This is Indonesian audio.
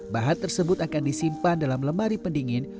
bahan tersebut akan disimpan dalam lemari pendingin